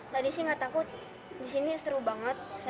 tadi sih gak takut disini seru banget